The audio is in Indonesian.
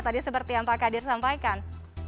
tadi seperti yang pak kadir sampaikan